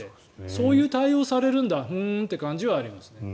そういう対応をされるんだふーんという感じはありますね。